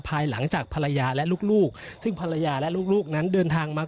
ภายหลังจากภรรยาและลูกซึ่งภรรยาและลูกนั้นเดินทางมา